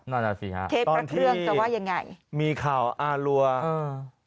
นั่นอ่ะสิฮะเทพพระเครื่องจะว่ายังไงมีข่าวอารัวเออ